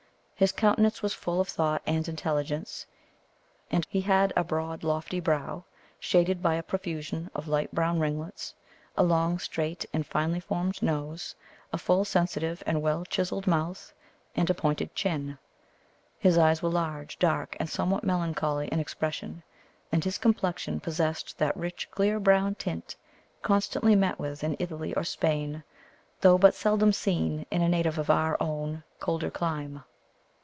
His countenance was full of thought and intelligence, and he had a broad lofty brow, shaded by a profusion of light brown ringlets, a long, straight, and finely formed nose, a full, sensitive, and well chiselled mouth, and a pointed chin. His eyes were large, dark, and somewhat melancholy in expression, and his complexion possessed that rich clear brown tint constantly met with in Italy or Spain, though but seldom seen in a native of our own colder clime.